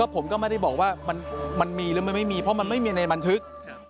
ผมก็ไม่ได้บอกว่ามันมีหรือไม่ไม่มีเพราะมันไม่มีในบันทึก